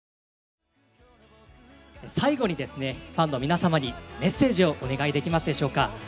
最後にですねファンの皆様にメッセージをお願いできますでしょうか？